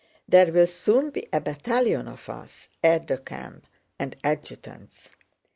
There will soon be a battalion of us aides de camp and adjutants!